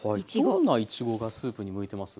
どんないちごがスープに向いてます？